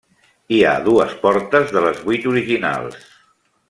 Hi ha dues portes de les vuit originals.